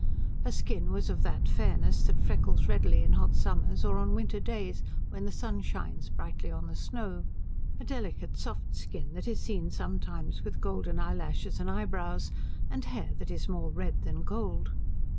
Her skin was of that fairness that freckles readily in hot summers or on winter days when the sun shines brightly on the snow, a delicate soft skin that is seen sometimes with golden eyelashes and eyebrows, and hair that is more red than gold.